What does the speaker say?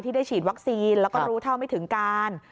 ที่ได้ฉีดวัคซีนและรู้เท่าไม่ถึงการ